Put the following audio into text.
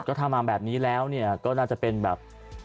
ก็ถ้ามาแบบนี้แล้วเนี่ยก็น่าจะเป็นแบบ